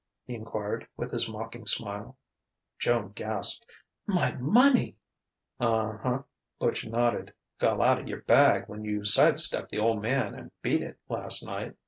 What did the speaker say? he enquired, with his mocking smile. Joan gasped: "My money !" "Uh huh," Butch nodded. "Fell outa your bag when you side stepped the Old Man and beat it, last night.